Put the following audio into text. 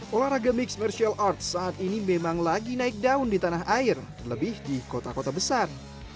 olahraga mixed martial arts saat ini memang lagi naik daun di tanah air terlebih di kota kota besar